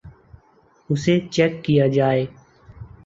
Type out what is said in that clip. اسے چیک کیا جائے